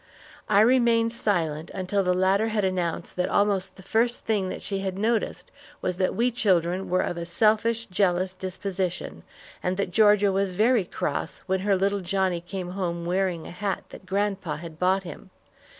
I remained silent until the latter had announced that almost the first thing that she had noticed was that we children were of a selfish, jealous disposition, and that Georgia was very cross when her little Johnnie came home wearing a hat that grandpa had bought him.